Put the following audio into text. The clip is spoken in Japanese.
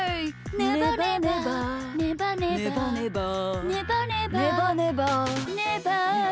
「ねばねばねばねば」「ねばねばねばねば」「ねばねばねばよ」